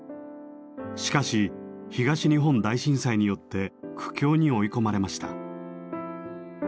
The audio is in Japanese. しかし東日本大震災によって苦境に追い込まれました。